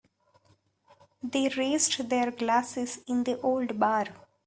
They raised their glasses in the old bar.